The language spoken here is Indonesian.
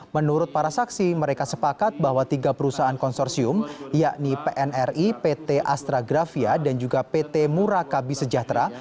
menurut para saksi mereka sepakat bahwa tiga perusahaan konsorsium yakni pnri pt astragrafia dan juga pt murakabi sejahtera